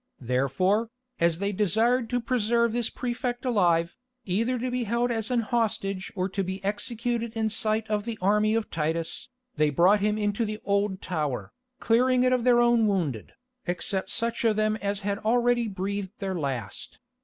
Therefore, as they desired to preserve this Prefect alive, either to be held as an hostage or to be executed in sight of the army of Titus, they brought him into the Old Tower, clearing it of their own wounded, except such of them as had already breathed their last.